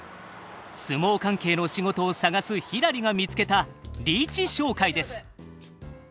相撲関係の仕事を探すひらりが見つけたリーチ商会です。